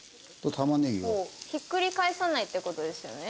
ひっくり返さないって事ですよね？